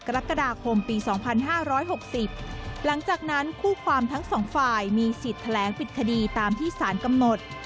กรกฎาคมปีสองพันห้าร้อยหกสิบหลังจากนั้นคู่ความทั้งสองฝ่ายมีสิทธิ์แถลงปิดคดีตามที่สารกำหนด